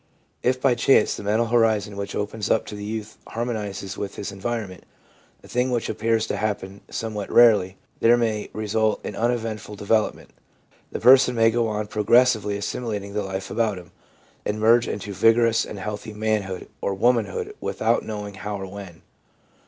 If by chance the mental horizon which opens up to the youth harmonises with his environment, a thing which appears to happen some what rarely, there may result an uneventful develop ment — the person may go on progressively assimilating the life about him, and merge into vigorous and healthy manhood or womanhood without knowing how or when.